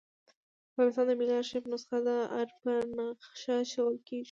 د افغانستان د ملي آرشیف نسخه د آر په نخښه ښوول کېږي.